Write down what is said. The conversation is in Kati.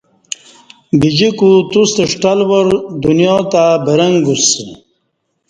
گجیکو توستہ ݜٹل وار دنیا تہ برنگ گوسہ